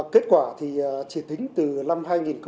kết quả thì chỉ tính từ năm hai nghìn hai mươi hai